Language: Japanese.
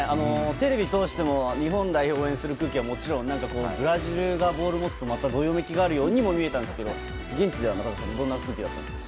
テレビを通しても日本代表を応援する空気はもちろんブラジルがボールを持つとどよめきがあるようにも見えたんですけど現地ではどんな空気だったんですか？